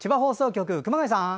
熊谷さん。